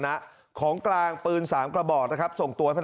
เขาเล่าบอกว่าเขากับเพื่อนเนี่ยที่เรียนปลูกแดงใช่ไหม